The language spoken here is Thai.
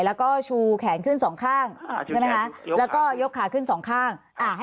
แล้วก็ชูแขนขึ้นสองข้างใช่ไหมคะแล้วก็ยกขาขึ้นสองข้าง